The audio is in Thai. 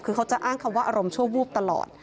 คือเขาจะอ้างคำว่าอารมณ์ชั่ววูบตลอด